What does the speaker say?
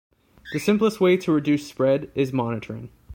The simplest way to reduce spread is monitoring.